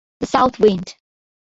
The "South Wind".